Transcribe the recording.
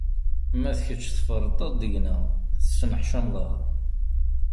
Ma d kečč tferrṭeḍ deg-nneɣ, tesneḥcameḍ-aɣ.